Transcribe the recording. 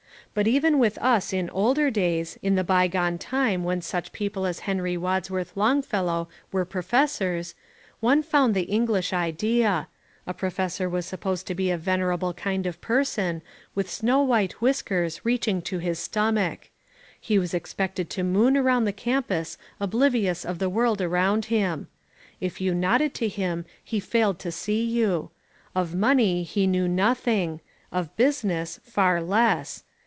But even with us in older days, in the bygone time when such people as Henry Wadsworth Longfellow were professors, one found the English idea; a professor was supposed to be a venerable kind of person, with snow white whiskers reaching to his stomach. He was expected to moon around the campus oblivious of the world around him. If you nodded to him he failed to see you. Of money he knew nothing; of business, far less.